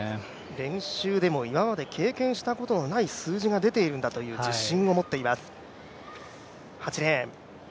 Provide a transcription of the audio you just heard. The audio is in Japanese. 練習でも今まで経験したことのない数字が出ているんだという自信を持っています。